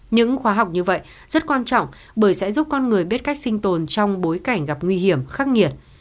những khóa học như vậy rất quan trọng bởi sẽ giúp con người biết cách sinh tồn trong bối cảnh gặp nguy hiểm khắc nghiệt